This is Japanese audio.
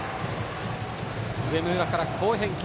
上村から好返球。